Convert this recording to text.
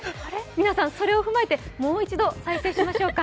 皆さん、それを踏まえて、もう一度再生しましょうか。